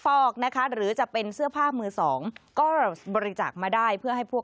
ฟอกนะคะหรือจะเป็นเสื้อผ้ามือสองก็บริจาคมาได้เพื่อให้พวก